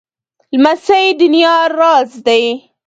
لمسی د نیا راز دی.